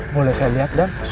boleh saya lihat dam